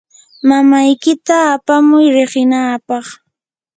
mamaykita apamuy riqinaapaq.